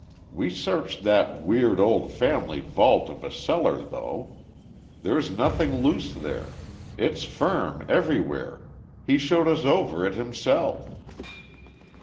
We searched that weird old family vault of a cellar though. There's nothing loose there. It's firm everywhere. He showed us over it himself."